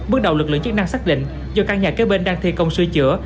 bước đầu lực lượng chức năng xác định do căn nhà kế bên đang thi công sửa chữa